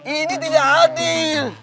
ini tidak adil